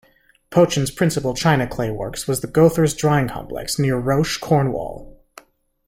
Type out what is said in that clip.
Pochin's principal china clay works was the Gothers drying complex, near Roche, Cornwall.